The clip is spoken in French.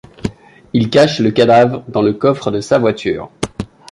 Il cache le cadavre dans le coffre de sa voiture.